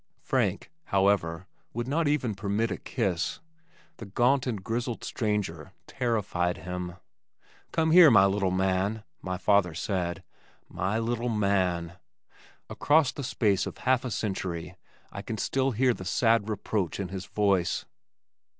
Frank, however, would not even permit a kiss. The gaunt and grizzled stranger terrified him. "Come here, my little man," my father said. "My little man!" Across the space of half a century I can still hear the sad reproach in his voice.